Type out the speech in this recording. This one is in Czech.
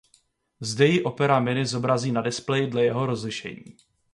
Zde ji Opera Mini zobrazí na displeji dle jeho rozlišení.